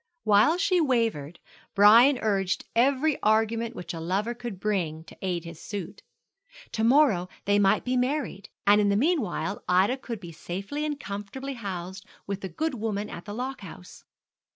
While she wavered, Brian urged every argument which a lover could bring to aid his suit. To morrow they might be married, and in the meanwhile Ida could be safely and comfortably housed with the good woman at the lock house.